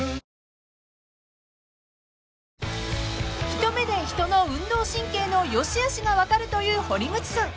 ［一目で人の運動神経の良しあしが分かるという堀口さん］